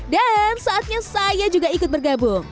dan saatnya saya juga ikut bergabung